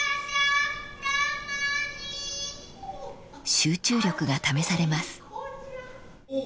［集中力が試されます］